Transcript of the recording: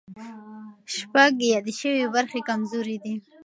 شپږ یادې شوې برخې کمزوري دي.